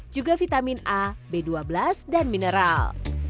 juga vitamin a b dua belas dan mineral